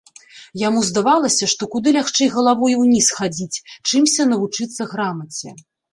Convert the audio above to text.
Яму здавалася, што куды лягчэй галавой уніз хадзіць, чымся навучыцца грамаце.